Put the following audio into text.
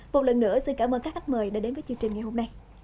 một lần nữa xin cảm ơn các khách mời đã đến với chương trình ngày hôm nay